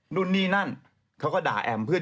นู่นนี่นั่นเขาก็ด่าแอมเพื่อน